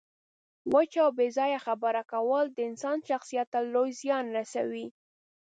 وچه او بې ځایه خبره کول د انسان شخصیت ته لوی زیان رسوي.